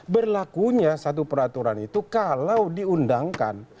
berlakunya satu peraturan itu kalau diundangkan